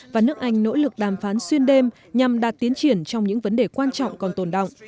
và nước anh nỗ lực đàm phán xuyên đêm nhằm đạt tiến triển trong những vấn đề quan trọng còn tồn động